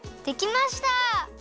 できました！